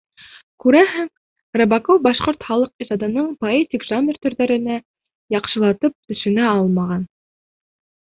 Күрәһең, С. Г. Рыбаков башҡорт халыҡ ижадының поэтик жанр төрҙәренә яҡшылап төшөнә алмаған.